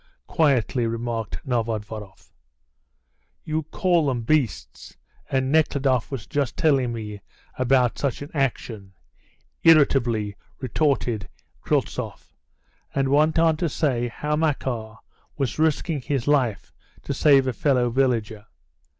quietly remarked Novodvoroff. "You call them beasts, and Nekhludoff was just telling me about such an action!" irritably retorted Kryltzoff, and went on to say how Makar was risking his life to save a fellow villager.